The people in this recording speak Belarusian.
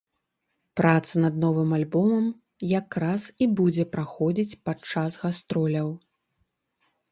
Праца над новым альбомам як раз і будзе праходзіць падчас гастроляў.